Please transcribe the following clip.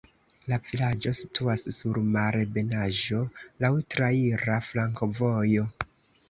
La vilaĝo situas sur malebenaĵo, laŭ traira flankovojo.